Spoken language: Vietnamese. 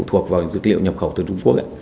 thuộc vào dược liệu nhập khẩu từ trung quốc